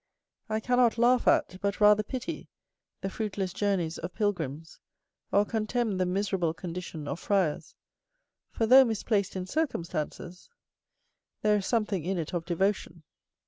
I cannot laugh at, but rather pity, the fruitless journeys of pilgrims, or contemn the miserable condition of friars; for, though misplaced in circumstances, there is something in it of devotion.